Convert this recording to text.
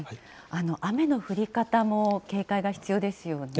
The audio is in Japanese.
雨の降り方も警戒が必要ですよね。